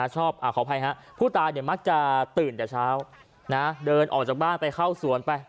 ขออภัยฮะผู้ตายมักจะตื่นแต่เช้าเดินออกจากบ้านไปเข้าสวนไป